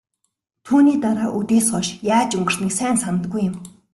Түүний дараа үдээс хойш яаж өнгөрснийг сайн санадаггүй юм.